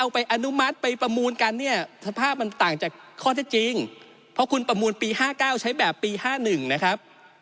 เพราะคุณประมูลปี๕๙ใช้แบบปี๕๑นะครับ